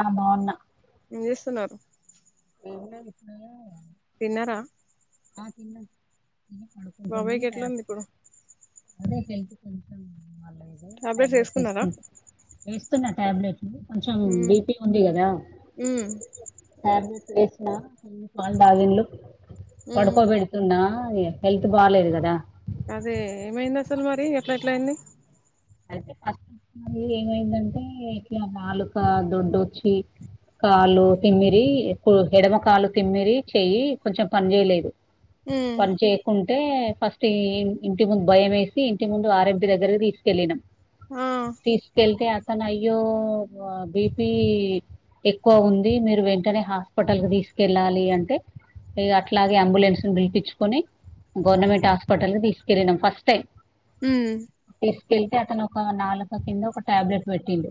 ఆ బావున్నా ఏం చేస్తున్నారు [unintelligible] తిన్నారా ఆ తిన్న తిని పడుకుంటున్నాం బాబాయ్కి ఎట్లుంది ఇప్పుడు అదే టాబ్లెట్స్ వేసుకున్నారా వేస్తున్నా ట్యాబ్లెట్ కొంచెం ఉమ్ బీపీ ఉంది కదా ఉమ్ టాబ్లెట్ వేసిన పాలు తాగిన్లు ఉమ్ పడుకోబెడుతున్నా అ హెల్త్ బాలేదు కదా అదే ఏమైంది అసలు మరి ఎట్లా ఎట్లా అయింది అదే అ ఏమైందంటే ఇట్లా నాలుక దొడ్డుచ్చి కాళ్లు తిమ్మిరి ఎడమ కాలు తిమ్మిరి చెయ్యి కొంచెం పని చేయలేదు ఉమ్ పని చేయకుం టే ఫస్ట్ ఇంటి ముందు భయం వేసి ఇంటి ముందు ఆ రెం పి దగ్గరకి తీసుకెళ్ళినం ఆ తీస్ కెళ్తే అతను అయ్యో బీపీ ఎక్కువ ఉంది మీరు వెంటనే హాస్పిటల్ కి తీసుకెళ్ళాలి అంటే అట్లాగే అంబులెన్స్ ను పిలిపించుకొని గవర్నమెంట్ హాస్పిటల్ కి తీసుకెళ్ళినాం ఫస్ట్ టైం హ్మ్ వెళ్తే అతను ఒక నాలుక కింద ఒక టాబ్లెట్ పెట్టిండు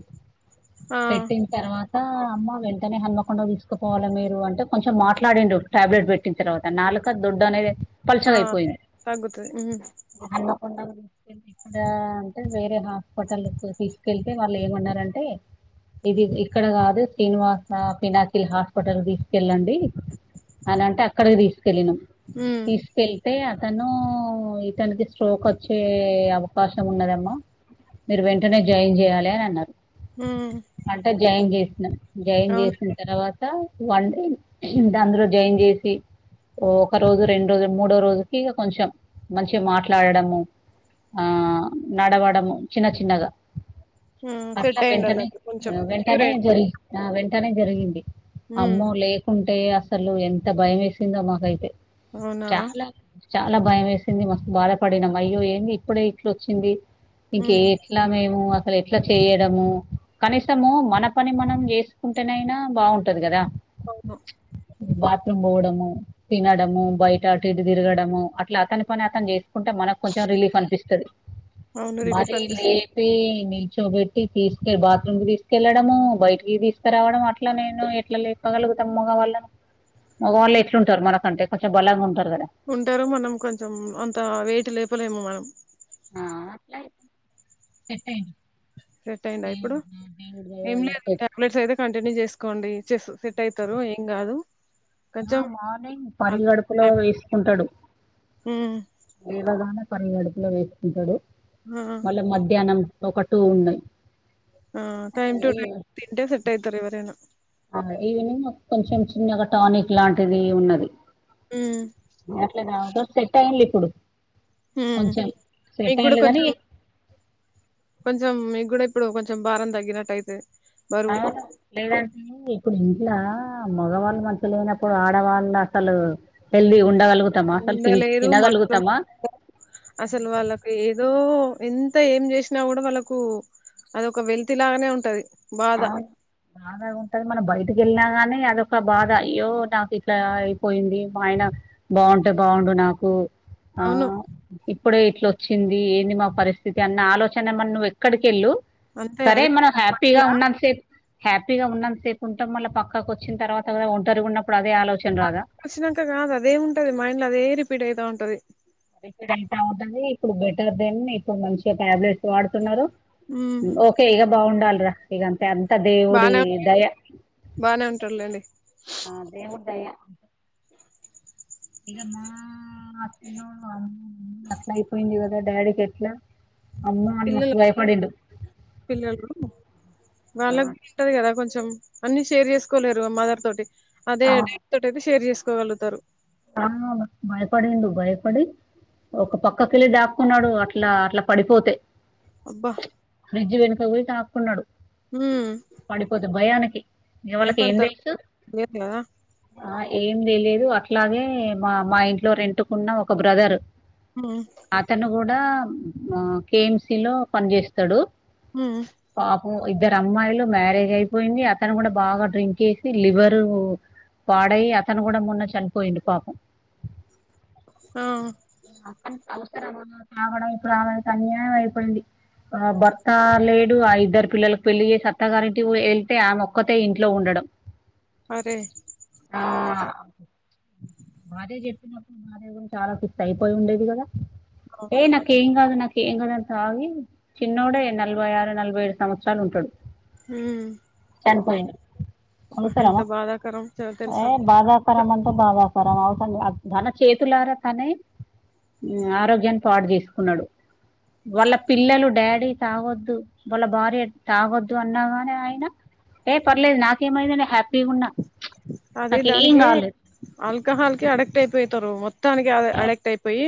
ఆ పెట్టిన తర్వాత అమ్మ వెంటనే హన్మకొండ తీసుకుపోవాలి మీరు అంటే కొంచెం మాట్లాడిండు టాబ్లెట్ పెట్టిన తర్వాత నాలుక ఫుడ్ అనేది పలుచగా ఆ అయిపోయింది తగ్గుతది ఉమ్ ఇక్కడ అంటే వేరే హాస్పిటల్ తీసుకెళ్తే వాళ్ళు ఏమన్నారంటే ఇది ఇక్కడ కాదు శ్రీనివాస పినాకిల్ హాస్పిటల్ తీస్ సుకెళ్ళండి అనంటే అక్కడికి తీసుకెళ్ళినాం ఉమ్ తీసుకెళ్ళి అయితే అతను ఇతనికి స్ట్రోక్ వచ్చే అవకాశం ఉన్నదమ్మా మీరు వెంటనే జాయిన్ చేయాలి అని అన్నారు హ్మ్ అంటే జాయిన్ చేసినం జాయిన్ చేసిన తర్వాత త వన్ డే దాందులో జాయిన్ చేసి ఒక రోజు రెండు రోజు మూడో రోజుకి కొంచెం మంచిగా మాట్లాడడము ఆ నడవడము చిన్న చిన్నగా ఉమ్ సెట్ అట్లా అయిండు వెంటనే అన్నట్టు కొంచెం క్యూర్ వెంటనే అయిండు జరి వెంట వెంటనే జరిగింది ఉమ్ అమ్మో లేకుంటే అసలు ఎంత భయం వేసిందో మాకైతే అవునా చాలా, చాలా భయం వేసింది మస్తు బాధపడినాం అయ్యో ఏమి ఇప్పుడే ఇట్ల వచ్చింది ఇంక ఉమ్ ఎట్లా మేము అసలు ఎట్లా చేయడము కనీసము మన పని మనం చేసుకుంటేనయినా బాగుంటది కదా అవును బాత్రూమ్ పోవడము తినడము బయట అటు ఇటు తిరగడము అట్లా అతని పని అతను చేసుకుంటా మనకి కొంచెం రిలీఫ్ అనిపిస్తుంది అవును రిలీఫ్ మరి అనిపిస్తుంది లేపి కూచోపెట్టి తీసుకె బాత్రూమ్ కి తీసుకెళ్ళడము బయటికి తీసుకురావడం అట్లా నేను ఎట్లా లేపగల మగ వాళ్ళు ఎట్లుంటారు మనకంటే కొంచెం బలంగా ఉంటారు కదా ఉంటారు మనం కొంచెం అంత వేటు లేపలేము మనం ఆ అట్లా సెట్ అయింద ఇప్పుడు దేవుడు దేవుడి దయ ఏం వల్ల లేదు సెట్. టాబ్లెట్స్ అయితే కంటిన్యూ చేసుకోండి ఇచ్చ సెట్ అయితారు ఏం కాదు ఆ కొంచెం మార్నింగ్ పరిగడపలో వేసుకుంటాడు హ్మ్ లేవగానే పరిగడుపులో వేసుకుంటాడు ఆ మళ్ళా మధ్యాహ్నం ఒక టు ఉన్నాయి ఆ టైమ్ టు ఈ టై తింటే సెట్ అయితారు ఎవరైనా ఆ ఈవినింగ్ కొంచెం చిన్నగా టానిక్ లాంటిది ఉన్నది హ్మ్ సెట్ అయింది ఇప్పుడు మీకు కూడా గానీ కొంచెం కొంచెం మీ కూడా ఇప్పుడు కొంచెం భారం తగినట్టయితే అవును లేదంటే ఇప్పుడు ఇలా మగవాళ్ళు మంచిగా లేనప్పుడు ఆడవాళ్ళు అసలు హెల్దీ ఉండవళ్ళు ఉండలేరు మనం అసలు వాళ్ళకు ఏదో ఎంత ఏం చేసినా కూడా వాళ్ళకు అదొ ఒక వెల్తి లాగానే ఉంటది బాధ బాగా ఉంటది మన బయ టికెళ్ళినా గానీ అదొక బాధ అయ్యో నాకు ఇట్లా అయిపోయింది మా ఆయన బాగుంటే బాగుం డు నాకు ఆ అవును ఇప్పుడే ఇట్లొచ్చింది ఏంది మా పరిస్థితి అన్న ఆలోచన మన్ నువ్ ఎక్కడికి వెళ్ళు అంతే సరే అదే మనం హ్యాపీగా ఉన్నంతసేపు హ్యాపీగా ఉన్నాంత సేపు ఉంటాం మళ్ళా పక్కకు వచ్చిన తర్వాత కద ఒంటరిగా ఉన్నప్ పక్కకి వచ్చినంక కాదు అదేమింటది మైండ్ లో అదే రిపీట్ అయితా ఉంటది ఇక్కడ అంత ఉంటది ఇప్పుడు బెటర్ దెన్ ఇప్పుడు మంచి టాబ్లెట్స్ వాడుతున్నారు హ్మ్ ఓకే ఈగ బాగుండాలిరా ఇగంతె అంత దేవుడి బానే దయ బానే ఉంటారులే ఆ దేవుడి దయ ఇగ మా చిన్న మా అట్లా అయిపోయింది కదా డాడీకి ఎట్లా అమ్మో అని పిల్లలు మస్తు భయపడిండు పిల్లలు ఆ, వాళ్ళకింటది కదా కొంచెం అన్ని షేర్ చేసుకోలేరు మదర్ తోటి అదే డాడీ తోటి అయితే షేర్ చేసుకోగలుగుతారు ఆ బయపడిండు బయపడి ఒక పక్కకెళ్ళి దాక్కున్నాడు అట్లా అట్లా పడిపోతే అబ్బా ఫ్రిడ్జ్ వెనుక పోయి దాకున్నాడు హ్మ్ పడిపోతే భయానికి ఎవళ్ళికి ఏం భయపడతారు తెలుసు లేదు కదా ఆ ఏం తెలేదు అట్లాగే మా మా ఇంట్లో రెంటుకున్న ఒక బ్రదర్ ఉ ద కేఎంసి లో పని చేస్తడు ఉ ఇద్దరు అమ్మాయిలు మ్యారేజ్ అయిపోయింది అతను కూడా బాగా డ్రింక్ ఎసి లివరు పాడై అతను కూడా మొన్న చని పోయిండు పాపం ఆ తాగడం ఇప్పుడు అమైతే అన్యాయం అయిపోయింది ఆ భర్త లే ఆ ఇద్దరు పిల్లలకు పెళ్లి చేసి అత్తగారింటికి పో వెళ్తే ఆమోక్కతే ఇంట్లో ఉండడం అరే ఆ బానే చెప్ చెప్పినప్పుడు భార్య గురించి ఆలోచిస్తే అయిపోయి ఉండేది కదా అవును ఏ నాకేం కాదు నాకు ఏంగదు అని తాగి చిన్నోడే నలభై ఆరు నలభై ఏడు సంవత్సరాలు ఉంటడు ఉ చనిపోయిండు అబ్బ ఎంత అవసరమా బాధాకరం చాలా తెలుసా ఎంత బాధాకరమ అసలు తన చేతులారా తనే ఆరోగ్యాన్ని పాట తీసుకున్నాడు వాళ్ళ పిల్లలు డాడీ తాగొద్దు వాళ్ళ భార్య తాగొద్దు అన్నా కానే ఆయన ఏ పర్లేదు నాకేమైంద నే హ్యాపీగా ఉన్నా అది నాకు ఏం దానికి కాలేదు ఆల్కహాల్ కి అడక్ట్ అయిపోతారు మొత్తం మొత్తానికి అడెక్ట్ అయిపోయి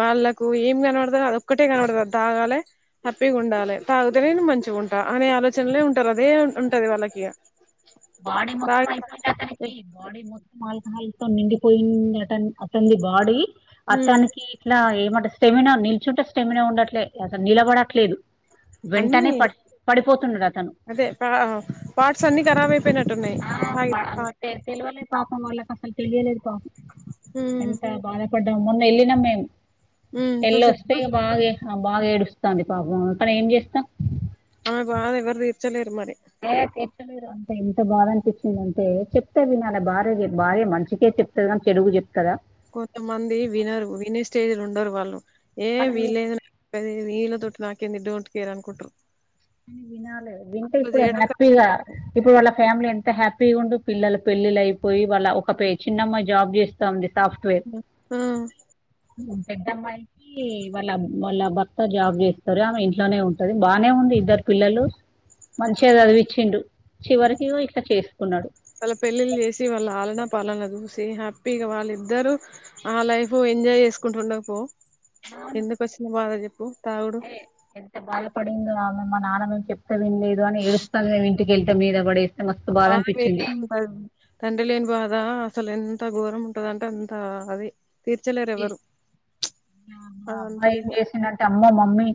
వాళ్ళలకు ఏం కనపడదు అది ఒక్కటే కనపడదు అది తాగాలే హ్యాపీగా ఉండాలి తాగితేనే మంచి మంచిగుంట అనే ఆలోచనలే ఉంటారు అదే ఉంటది వాళ్ళకి బాడీ మొత్తం తాగి అయిపోయి బాడీ మొత్తం ఆల్కహాల్తో నిండిపోయింది అట అతనికి బాడీ ఉమ్ అతనికి ఇట్లా ఏమంటే స్టెమినా నిల్చుంటే స్టెమినా ఉండట్లేదు అసలు నిలబడట్లేదు అన్ని వెంటనే పడ్ పడిపోతున్నాడు అతను. అదే పా పార్ట్స్ అన్ని ఖరాబ్యిపోయిన ఉన్నాయి [unintelligible] తెలవలేదు పాపం వాళ్ళకి అసలు తెలియలేదు పాపం ఉమ్ ఎంత బాధపడ్డాం మొన్న వెళ్ళినం మేము ఉమ్ ఎళ్ళ వస్తే చూసావా బాగా బాగా ఏడుస్తోంది పాపం కానీ ఏం చేస్తాం ఆమె బాధ ఎవరు తీర్చలేరు మరి అంత ఎంత బాధ అనిపించింది అంటే చెప్తా వి అన్న భార్య భార్య మనిికే చెప్తదిని చెడుగు చెప్ా కొంతమంది వినరు వినే స్టేజ్లు ఉండరు వాళ్ళు ఏ వీలైంది నాకు చెప్పేది వీళ్ళతోటి నాకేంది డోంట్ కేర్ అనుకుంటారు అని వినాలి వింటే అట్లా ఇప్పుడు చేయడం హ్యాపీగా కరెక్ట్ ఇప్పుడు వాళ్ళ ఫ్యామిలీ ఎంత అంత హ్యాపీగా ఉండు పిల్లలు పెళ్ళిళ అయిపోయి వాళ్ళ ఒక చిన్నమ్మా జాబ్ చేస్తాంది ఆ పెద్దమ్మాయికి వాళ్ళ వాళ్ళ భర్త జాబ్ చేస్తారు ఆమె ఇంట్లోనే ఉంటది బాగానే ఉంది ఇద్దరు పిల్లలు మంచిగా చదివిచ్చిండు చివరికి ఇట్లా చేసుకున్నాడు వాళ్ళ పెళ్ళిళ్ళ చేసి వాళ్ళ ఆలనా పాలన చూసి హ్యాపీగా వాళ్ళ ఇద్దరు ఆ లైఫ్ ఎంజాయ్ చేసుకుంటుండ పో ఎందుకు వచ్చిన బాధ చెప్పు తాగుడు అయ ఎంత బా పడిందమె మా నాన్నే చెప్ా ఏం లేదు అని ఏడుస్తుంది మేము ఇంటికెళ్ళ మీద పడేస్త బాగా తండ్రి లేని బాదా అసలు ఎంత ఎంత ఘోరం ఉంటదంటే అంత అది తీర్చలేరు ఈ ఎవ్వరు అబ్బాయి ఏం చేసినంటే అమ్మ మమ్మీ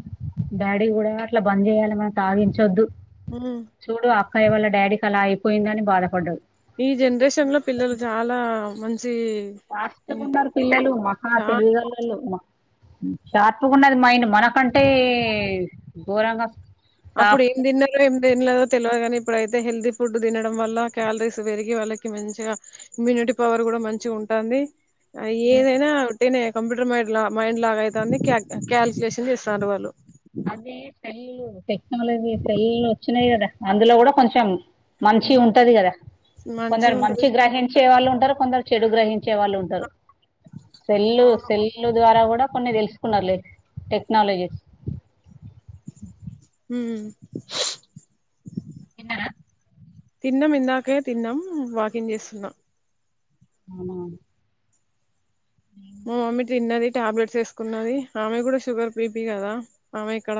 డాడీ కూడా అట్లా బంద్ చేయాలమని తాగించొద్దు ఉమ్ చూడు అ పయల్ల డాడీకి అలా అయిపోయింద అని బాధపడ్డదు ఈ జనరేషన్ లో పిల్లలు చాలా మంచి ఫాస్ట్ గా ఉన్నారు పిల్లలు మహా చాలా తెలివిగల్లోళ్ళు షార్ప్ కొన్నది మైండ్ మనకంటే ఘోరంగా అప్పుడు సాఫ్ట్. ఏం తిన్నలో దేం లేదో తెలియదు కాని ఇప్పుడ అయితే హెల్తీ ఫుడ్ తినడం వల్ల క్యాలరీస్ పెరిగి వాళ్ళకి మంచిగా ఇమ్యూని పవర్ కూడా మంచి ఉంటుంది ఏదైనా ఒకట్టేనే కంప్యూటర్ మైడ్ మైండ్ లాగ అవుతుంది కల్కు్యులేషన్ చేస్తన్నారు వాళ్ళు పెల్లు టెక్నాలజీ పెళ్ల్ళ వచ్చినాయి కదా అందులో కూడా కొంచెం మంచి ఉంటది కదా కొందరు మంచిగా మంచి ఉంటది గ్రహించే వాళ్ళు ఉంటారు కొందరు చెడు గ్రహించ వచ్చే వాళ్ళు ఉంటారు సెల్లు అవును సెల్లు ద్వారా కూడా కొన్ని తెలుసుకున్నారు లేదు టెక్నాలజీ హ తిన్నారా తిన్నాం ఇందాకే తిన్నాం వాకింగ్ చేస్తున్నా వునా మా మమ్మీ తిన్నది ట్యాబ్లేట్ వేసుకున్నది ఆమె కూడా షుగర్ బిపీ కదా ఆమె ఇక్కడ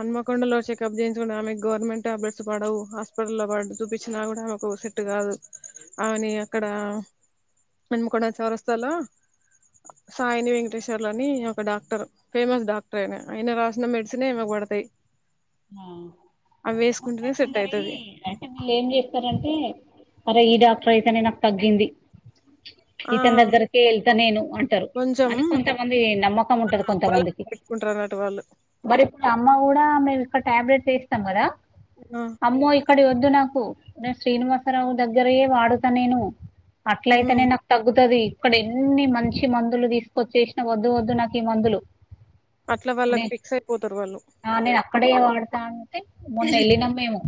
హన్మకొండలో చెకప్ చేయికుంటది ఆమెకు గవర్నమెంట్ టాబ్లెట్స్ పడవు, హాస్పిటల్లో పడ చూపించినా కూడా ఆమెకు సెట్ కాదు ఆమెని అక్కడ మెన్మకొండ చవరస్తాలో [inaudible] సాయిని వెంకటేశ్వర్లు అని ఒక డాక్టరు ఫేమస్ డాక్టర్ ఆయన ఆయన రాసిన మెడిసినే ఈమెకి పడతాయ్. ఆ అంతా సెట్ కొందరి అయితది అంటే వీళ్ళు ఏం చేస్తారంటే ఈ డాక్టర్ అయితేనే నాకు తగ్గింది [inaudible] ఇతను దగ్గరికే వెళ్తా నేను అంటారు కొంచెం అని కొంతమంది నమ్మకం ఉంటది కొంతమందికి. కుంటారు అంటివా మరి ఇప్పుడు అమ్మ కూడా మేము ఇక్కడ టాబ్లెట్ వేస్తాం కదా ఆ అమ్మో అక్కడివి వద్దు నాకు నేను శ్రీనివాసరావు దగ్గరవే వాడుతా నేను. అట్లా ఉమ్ అయితేనే నాకు తగ్గుతది అక్కడ ఎన్ని మంచి మందులు తీసుకొచ్చే యేసినా వద్దు వద్దు నాకు ఈ మందులు. అట్లా వాళ్ళకి ఫిక్స్ అయిపోతారు వాళ్ళు అక్కడ వాడతాంటే మొన్న వెళ్ళినాం మేము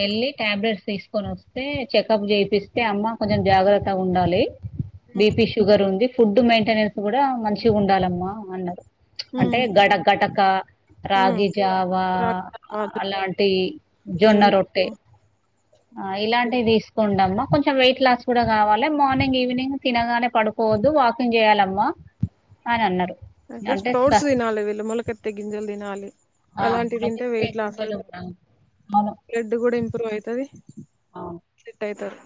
వెళ్ళి టాబ్లెట్స్ తీసుకొని వస్తే చెకప్ చేపిస్తే అమ్మ కొంచెం జాగ్రత్తగా ఉండాలి. బిపి షుగర్ ఉంది ఫుడ్ మెయింటెనెన్స్ కూడా మంచిగా ఉండాలమ్మా అన్నారు. అంటే ఉమ్ గడ గటక ఉమ్ రాగి జావా కాలీఫ్లవర్ అలాంటి జొన్న రొట్టె జున్ను ఆ ఇలాంటివి తీసుకోన్ డమ్మా కొంచెం వెయిట్ లాస్ కూడా కావాల, మార్నింగ్ ఈవినింగ్ తినగానే పడుకోవద్దు వాకింగ్ చేయాలమ్మా అని అన్నారు అంటే స్టోడ్స్ తినాలి వీళ్ళు ములకెత్తే గింజలు తినాలి. ఆ, అలాంటివి తింటే మొలకెత్తే వెయిట్ లాస్ గింజలు అవుతుంది కూడా. అవును బ్లెడ్ కూడా ఇంప్రూవ్ అవుతది. సెట్ అవుతారు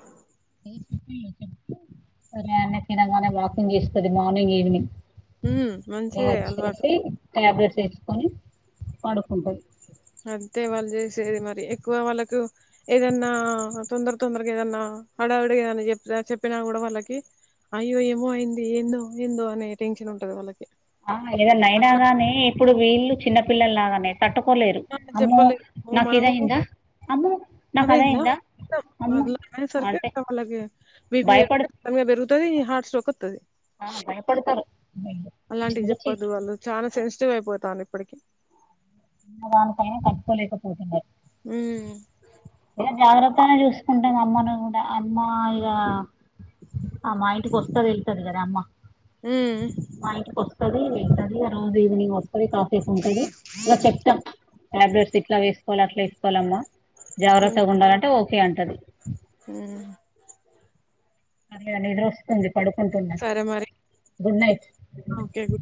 ఉదయాన్నే తినగానే వాకింగ్ చేస్తది మార్నింగ్ ఈవినింగ్. ఉమ్ ఇగ మంచిదే అలవాటు వచ్చేసి టాబ్లెట్ వేస్కోని పడు అంతే వాళ్ళు చేసేది మరి ఎక్కువ వాళ్ళకు ఏదన్నా తొందర తొందరగా ఏదన్నా హడావిడి ఏదన్నా చెప చెప్పినా కూడా వాళ్ళకి అయ్యో ఏమో అయింది ఏందో ఏందో అనే టెన్షన్ ఉంటది వాళ్ళకి. ఆ ఎవన్న అయినా అట్లా గాని ఇప్పుడు వీళ్ళు చిన్నపిల్లలగా తట్టుకోలేరు అమ్మో చెప్పలేము నాకు ఇదయిందా అమ్మో నాకు అదయిందా అదైందా మ అమ్మో [unintelligible] అనేసరికి అంటే ఇంకా వాళ్లకి బిపి భయపడు పెరుగుతది ఈ హార్ట్ స్ట్రోక్ వ ఆ, భయపడతారు అలాంటివి ఇంకా చి- చెప్పద్దు వాళ్ళు చాలా సెన్సిటివ్ అయిపోతంది. ఇప్పటికి చిన్నదానకే తట్టుకోలేక పోతున్నారు ఉ తానే చూసుకుంటాను అమ్మను కూడా అమ్మ ఇగా మా ఇంటికి కొస్తాది వెళ్తాదిగా అమ్మ ఉమ్ మా ఇంటికి వస్తది వెళ్తాది ఆ రోజు ఈవినింగ్ వస్తది కాసేపు ఉంటంది చెప్తా టాబ్లెట్స్ ఇట్లా వేసుకోవాలి అట్లా వేసుకోవాలమ్మా జాగ్రత్తగా ఉండాలంటే ఓ తే అంటారు హ నాకి ఇగ నిద్ర వస్తుంది పడుకుంటున్న సరే మరి గుడ్ నైట్ ఓకే గు